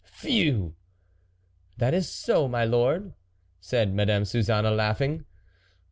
"Phew!" "That is so, my lord," said Madame Suzanne, laughing.